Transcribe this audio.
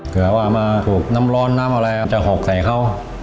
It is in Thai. เผื่อว่ามาถูกน้ำร้อนน้ำอะไรครับจะหกใส่เขา